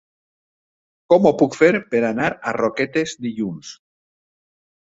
Com ho puc fer per anar a Roquetes dilluns?